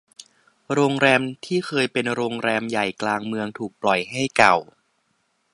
โรงแรมที่เคยเป็นโรงแรมใหญ่กลางเมืองถูกปล่อยให้เก่า